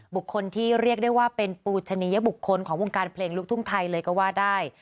บุคคลที่เรียกได้ว่าเป็นปูชนิยบุคคลของวงการเพลงลูกทุ่งไทยเลยก็ว่าได้